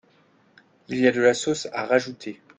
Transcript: Il y a de la sauce à rajouter.